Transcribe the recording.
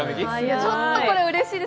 ちょっとこれうれしいです。